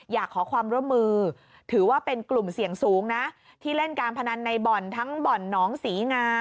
อยากขอความร่วมมือถือว่าเป็นกลุ่มเสี่ยงสูงนะที่เล่นการพนันในบ่อนทั้งบ่อนน้องศรีงา